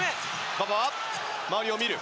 馬場、周りを見る。